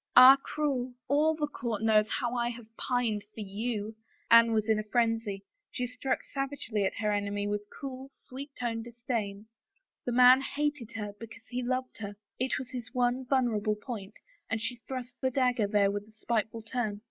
"Ah, cruel! All the court knows how I have pined for you !" Anne was in a frenzy ; she struck savagely at her enemy with her cool, sweet toned disdain. The man hated her because he loved her; it was his one vulnerable point and she thrust her dagger there with a spiteful turn.